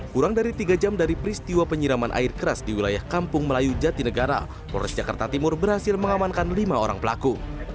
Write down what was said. kurang dari tiga jam dari peristiwa penyiraman air keras di wilayah kampung melayu jatinegara polres jakarta timur berhasil mengamankan lima orang pelaku